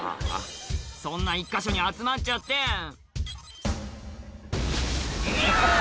そんな１か所に集まっちゃって嫌！